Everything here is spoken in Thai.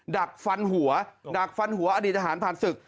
ดักฟันหัวอดีตอาหารผ่านศึก